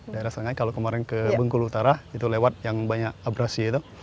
daerah setengahnya kalau kemarin ke bengkulu utara itu lewat yang banyak abrasi itu